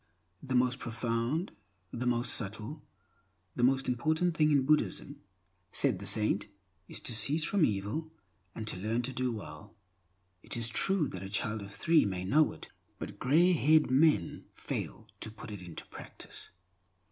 "The most profound, the most subtle, the most important thing in Buddhism," said the saint, "is to cease from evil and to learn to do well. It is true that a child of three may know it, but grey haired old men fail to put it into practice."